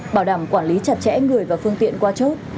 bảo đảm quản lý chặt chẽ người và phương tiện qua chốt